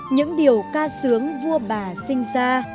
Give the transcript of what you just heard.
những điều ca sướng vua bà sinh ra